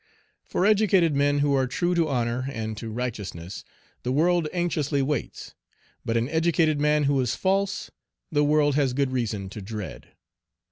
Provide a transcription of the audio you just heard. For educated men who are true to honor and to righteousness, the world anxiously waits; but an educated man who is false, the world has good reason to dread.